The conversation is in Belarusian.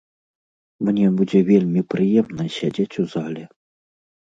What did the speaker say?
Мне будзе вельмі прыемна сядзець у зале.